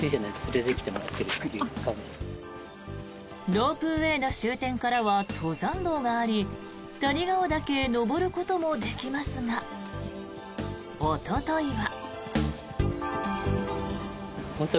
ロープウェーの終点からは登山道があり谷川岳へ登ることもできますがおとといは。